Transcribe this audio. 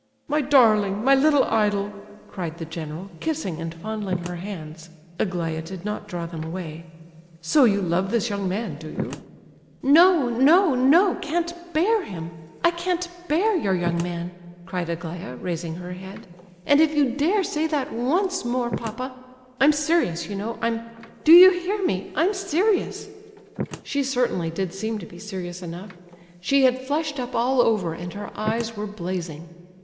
"My darling, my little idol," cried the general, kissing and fondling her hands (Aglaya did not draw them away); "so you love this young man, do you?" "No, no, no, can't bear him, I can't bear your young man!" cried Aglaya, raising her head. "And if you dare say that once more, papa—I'm serious, you know, I'm,—do you hear me—I'm serious!" She certainly did seem to be serious enough. She had flushed up all over and her eyes were blazing.